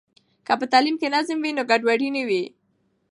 که په تعلیم کې نظم وي، نو ګډوډي نه وي.